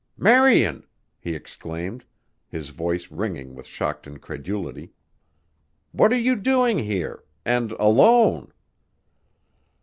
"Marian!" he exclaimed, his voice ringing with shocked incredulity. "What are you doing here and alone?"